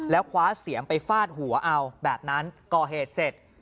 แล้วคว้าเสียมไปฟาดหัวเอาแบบนั้นก่อเหตุเสร็จ